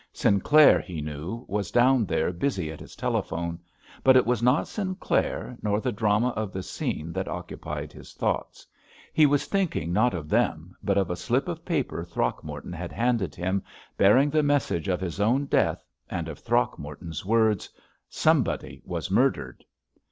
Sinclair, he knew, was down there busy at his telephone, but it was not Sinclair nor the drama of the scene that occupied his thoughts; he was thinking not of them, but of a slip of paper Throgmorton had handed him bearing the message of his own death, and of Throgmorton's words, "Somebody was murdered."